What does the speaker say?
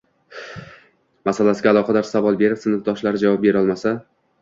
maslagiga aloqador savol berib sinfdoshlari javob berolmasa